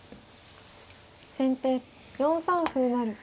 先手４三歩成。